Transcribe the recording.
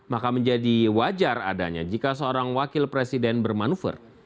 maka menjadi wajar adanya jika seorang wakil presiden bermanuver